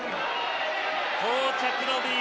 到着ロビー